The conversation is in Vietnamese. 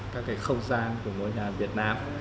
các không gian của ngôi nhà việt nam